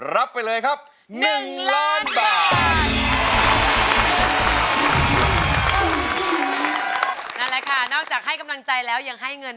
โดยผู้เข้าแข่งขันมีสิทธิ์ใช้ตัวช่วย๓ใน๖แผ่นป้ายตลอดการแข่งขัน